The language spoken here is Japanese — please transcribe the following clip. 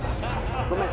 ごめん。